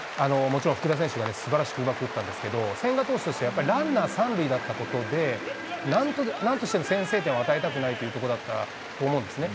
もちろん福田選手がね、すばらしくうまく打ったんですけど、千賀投手として、ランナー３塁だったことで、なんとしても先制点を与えたくないというところだったと思うんですね。